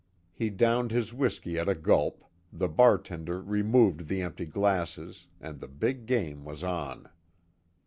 He downed his whiskey at a gulp, the bartender removed the empty glasses, and the big game was on.